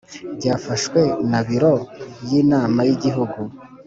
byafashwe na biro y Inama y Igihugu